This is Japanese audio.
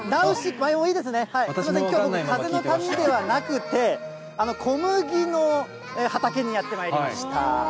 まあいいですね、きょう、僕、風の谷ではなくて、小麦の畑にやってまいりました。